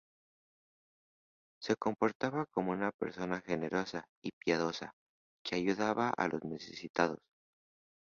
Se comportaba como una persona generosa y piadosa, que ayudaba a los necesitados.